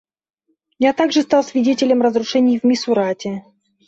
Я также стал свидетелем разрушений в Мисурате.